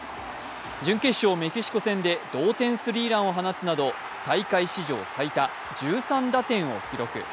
準決勝メキシコ戦で同点スリーランを放つなど大会史上最多１３打点を記録。